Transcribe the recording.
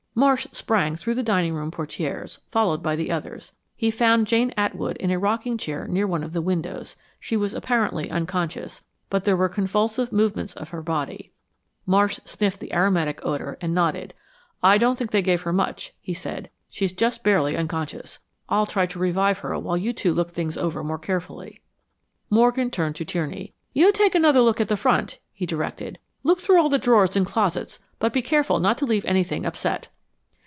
Marsh sprang through the dining room portieres, followed by the others. He found Jane Atwood in a rocking chair near one of the windows. She was apparently unconscious, but there were convulsive movements of her body. Marsh sniffed the aromatic odor and nodded. "I don't think they gave her much," he said. "She's just barely unconscious. I'll try to revive her while you two look things over more carefully." Morgan turned to Tierney. "You take another look at the front," he directed. "Look through all the drawers and closets, but be careful not to leave anything upset."